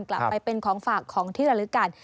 กลับไปเป็นของฝากของที่ระลึกกัน